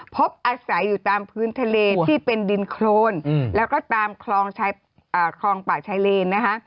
พบอาศัยอยู่ตามพื้นทะเลที่เป็นดินโครนแล้วก็ตามคลองป่าชายเลนนะคะ